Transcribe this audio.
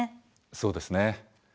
そうですね。